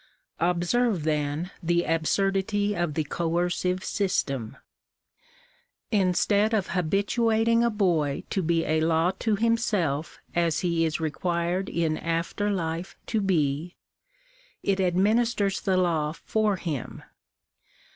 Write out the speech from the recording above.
Observe, then, the absurdity of the coercive system. Instead of habituating a boy to be a law to himself as he is required in after life to be, it administers the law for him.